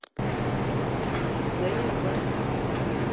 G-beu gne va.